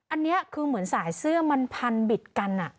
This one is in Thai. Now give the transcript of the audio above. อันนี้คือเหมือนสายเสื้อมันพันบิดกัน